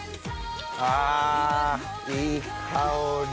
あいい香り。